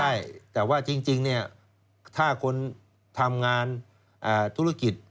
ใช่แต่ว่าจริงเนี่ยถ้าคนทำงานธุรกิจ